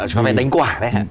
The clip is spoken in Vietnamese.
cho về đánh quả đấy hả